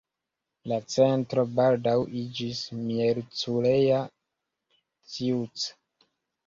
La centro baldaŭ iĝis Miercurea Ciuc.